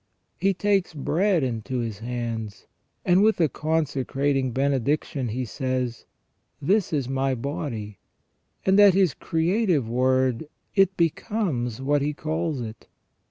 He takes bread into His hands, and with a consecrating benediction He says :" This is my body," and at His creative word it becomes what He calls it.